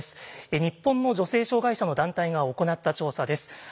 日本の女性障害者の団体が行った調査です。